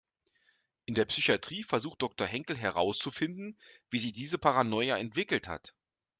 In der Psychatrie versucht Doktor Henkel herauszufinden, wie sich diese Paranoia entwickelt hat.